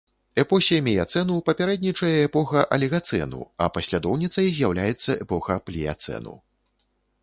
Эпосе міяцэну папярэднічае эпоха алігацэну, а паслядоўніцай з'яўляецца эпоха пліяцэну.